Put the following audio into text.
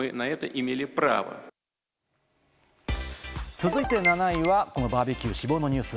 続いて７位はバーベキューで死亡のニュース。